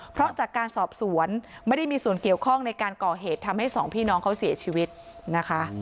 เพราะจากการสอบสวนไม่ได้มีส่วนเกี่ยวข้องในการก่อเหตุทำให้สองพี่น้องเขาเสียชีวิตนะคะ